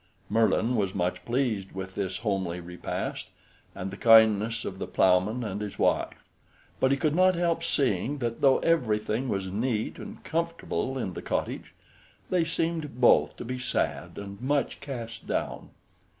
Merlin was much pleased with this homely repast and the kindness of the plowman and his wife; but he could not help seeing that though everything was neat and comfortable in the cottage, they seemed both to be sad and much cast down.